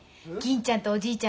ちゃんとおじいちゃん